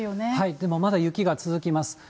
でもまだ、雪が続きます。